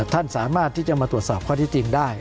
ท่านสามารถที่จะมาตรวจสอบข้อที่จริงได้